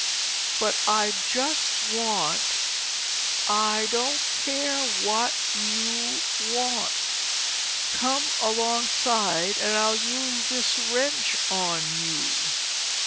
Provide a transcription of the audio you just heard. "But I just want—" "I don't care what you want. Come alongside, and I'll use this wrench on you!"